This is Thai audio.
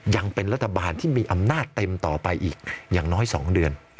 ยังเป็นรัฐบาลที่มีอำนาจเต็มต่อไปอีกอย่างน้อย๒เดือน